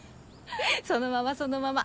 そのままそのまま。